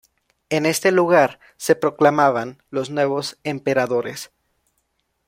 En este lugar se proclamaban los nuevos emperadores.